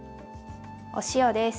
お塩です。